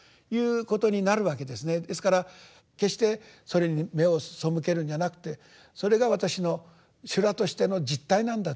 ですから決してそれに目を背けるんじゃなくてそれが私の「修羅」としての実態なんだと。